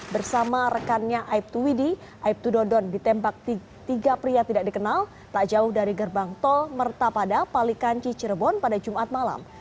bersama rekannya aibtu widi aibtu dodon ditembak tiga pria tidak dikenal tak jauh dari gerbang tol mertapada palikanci cirebon pada jumat malam